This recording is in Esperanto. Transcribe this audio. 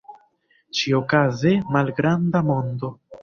Ĉiaokaze, malgranda mondo.